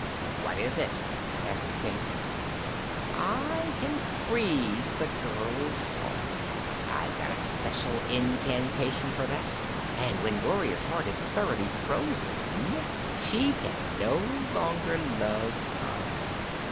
"What is that?" asked the King. "I can freeze the girl's heart. I've got a special incantation for that, and when Gloria's heart is thoroughly frozen she can no longer love Pon."